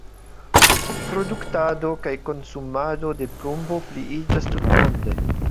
Produktado kaj konsumado de plumbo pliiĝas tutmonde.